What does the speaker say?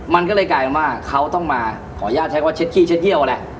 มันก็เลยกลายเป็นว่าเขาต้องมาขออนุญาตใช้ว่าเช็ดขี้เช็ดเยี่ยวแหละ